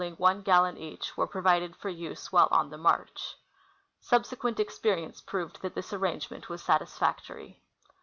The Outfit. 11 ing one gallon each were provided for use while on the march. Subse(i[uent experience proved that this arrangement was satis factory.